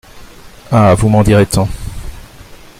Ah ! vous m’en direz tant !